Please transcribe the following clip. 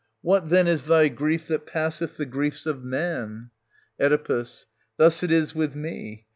What, then, is thy grief that passeth the griefs of man t Oe. Thus it is with me.